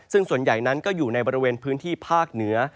ซึ่งส่วนใหญ่นั้นก็อยู่ในบริเวณพื้นที่ภาคเหนือ